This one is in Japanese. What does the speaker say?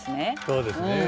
そうですね。